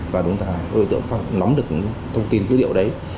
và đối tượng nắm được thông tin dữ liệu đấy